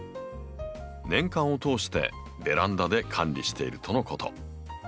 年間を通してベランダで管理しているとのこと。